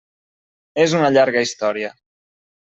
És una llarga història.